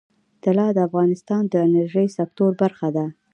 طلا د افغانستان د انرژۍ سکتور برخه ده.